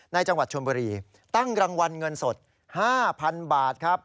จังหวัดชนบุรีตั้งรางวัลเงินสด๕๐๐๐บาทครับ